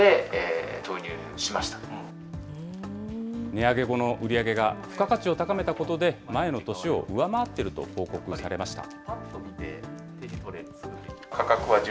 値上げ後の売り上げが、付加価値を高めたことで、前の年を上回っていると報告されました。